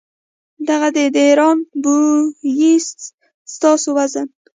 دغه د ډېران بوئي ستاسو وزن ،